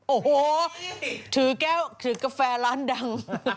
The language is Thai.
โอ้โหถือแก้วถือกาแฟร้านดัง